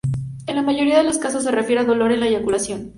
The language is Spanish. En la mayoría de los casos se refiere a dolor en la eyaculación.